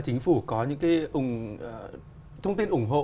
chính phủ có những cái thông tin ủng hộ